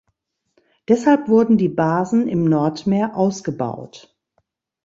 Deshalb wurden die Basen im Nordmeer ausgebaut.